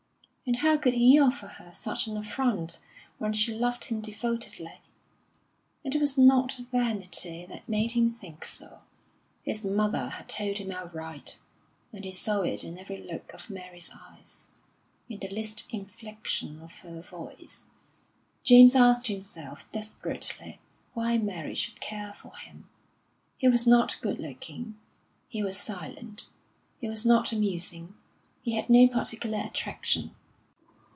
And how could he offer her such an affront when she loved him devotedly? It was not vanity that made him think so, his mother had told him outright; and he saw it in every look of Mary's eyes, in the least inflection of her voice. James asked himself desperately why Mary should care for him. He was not good looking; he was silent; he was not amusing; he had no particular attraction.